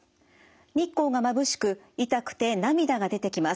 日光がまぶしく痛くて涙が出てきます。